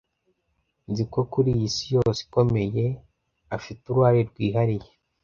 Nzi ko kuri iyi si yose ikomeye, afite uruhare rwihariye.